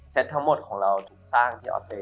ทั้งหมดของเราถูกสร้างที่ออสเตย